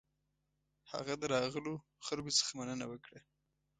هغه د راغلو خلکو څخه مننه وکړه.